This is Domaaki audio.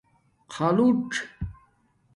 خالُڎ